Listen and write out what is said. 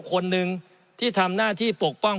คนหนึ่งที่ทำหน้าที่ปกป้อง